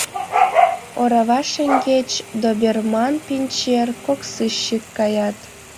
Орава шеҥгеч доберман-пинчер — кок сыщик – каят.